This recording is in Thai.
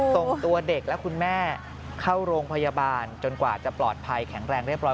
ส่งตัวเด็กและคุณแม่เข้าโรงพยาบาลจนกว่าจะปลอดภัยแข็งแรงเรียบร้อย